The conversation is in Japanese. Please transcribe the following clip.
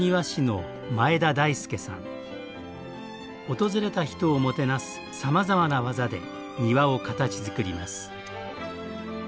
訪れた人をもてなすさまざまな技で庭を形づくります。